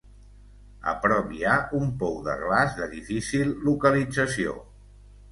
A prop hi ha un pou de glaç, de difícil localització.